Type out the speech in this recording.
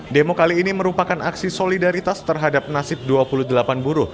demo kali ini merupakan aksi solidaritas terhadap nasib dua puluh delapan buruh